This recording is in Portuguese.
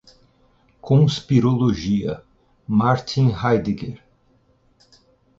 Conspirologia, Martin Heidegger